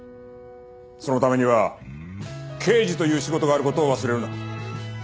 そのためには刑事という仕事がある事を忘れるな。